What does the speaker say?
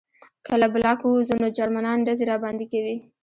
که له بلاک ووځو نو جرمنان ډزې راباندې کوي